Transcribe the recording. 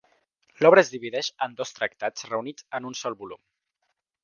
L'obra es divideix en dos tractats reunits en un sol volum.